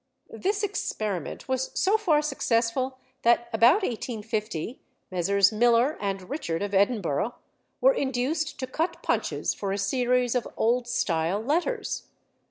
This experiment was so far successful that about 1850 Messrs. Miller and Richard of Edinburgh were induced to cut punches for a series of "old style" letters.